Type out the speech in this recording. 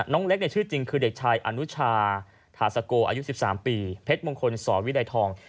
น้องเล็กชื่อจริงคือเด็กชายอนุชาถาสโกอายุ๑๓ปีเพชรมงคลสอนวิรัยทอง